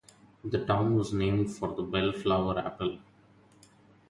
The Town was named for the Bellflower Apple.